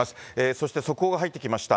そして速報が入ってきました。